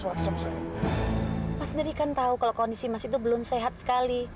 bapak pasti tahu tempat ini pak